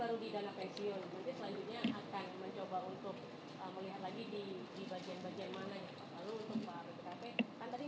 nanti selanjutnya akan mencoba untuk melihat lagi di bagian bagian mana ya pak